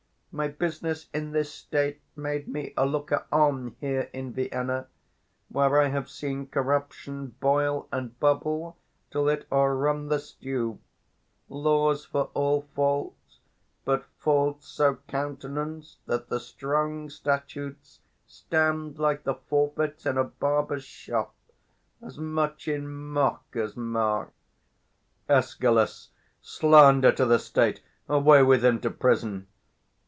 My business in this state Made me a looker on here in Vienna, 315 Where I have seen corruption boil and bubble Till it o'er run the stew; laws for all faults, But faults so countenanced, that the strong statutes Stand like the forfeits in a barber's shop, As much in mock as mark. 320 Escal. Slander to the state! Away with him to prison!